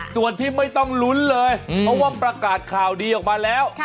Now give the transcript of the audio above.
ส่วนที่ไม่ต้องลุ้นเลยเพราะว่าประกาศข่าวดีออกมาแล้ว